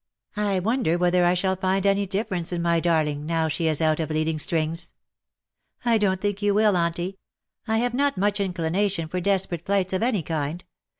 I wonder whether I shall find any difference in my darling now she is out of leading strings.''^ " I don^t think you will, Auntie. I have not much inclination for desperate flights of any kind.